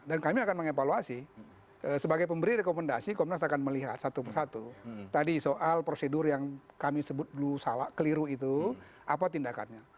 dan kami akan mengevaluasi sebagai pemberi rekomendasi komnas akan melihat satu persatu tadi soal prosedur yang kami sebut dulu keliru itu apa tindakannya